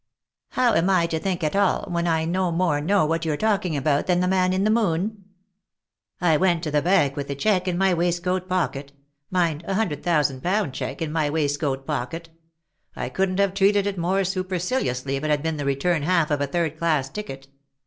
" How am I to think at all, when I no more know what you're talking about than the man in the moon !"" I went to the bank with the cheque in my waist coat pocket — mind, a hundred thousand pound cheque in my waistcoat pocket ; I couldn't have treated it more superciliously if it had been the return half of a third class ticket.